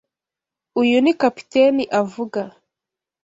Uyu ni capitaine avuga.